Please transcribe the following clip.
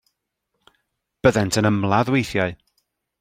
Byddent yn ymladd weithiau.